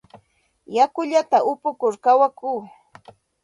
Yakullata upukur kawakuu.